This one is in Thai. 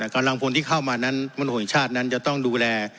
กำลังพลที่เข้ามานั้นมนุษยชาตินั้นจะต้องดูแล